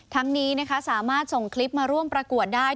ทั้งนี้นะคะสามารถส่งคลิปมาร่วมประกวดได้